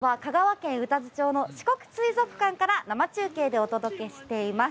きょうは香川県宇多津町の四国水族館から生中継でお届けしてます。